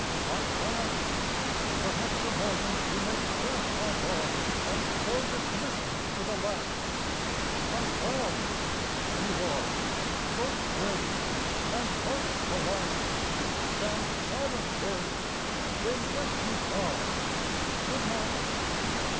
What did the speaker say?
I pass: perhaps a moment you may chaff My walk, and so dismiss me with a laugh. I come: you all, most grave and most polite, Stand silent first, then wish me calm Good Night.